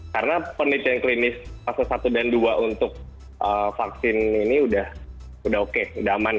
karena penelitian klinis pasal satu dan dua untuk vaksin ini sudah oke sudah aman